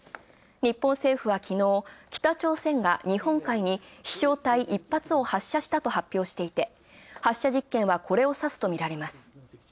日本政府は昨日、北朝鮮が日本海に飛翔体１発を発射したと発表していて、発射実験は、これをさすとみられます。